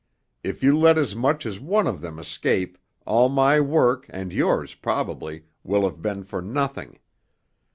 If you let as much as one of them escape all my work and yours probably will have been for nothing.